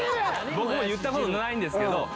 僕も行ったことないんですけど。